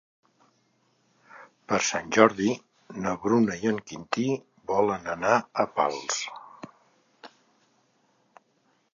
Per Sant Jordi na Bruna i en Quintí volen anar a Pals.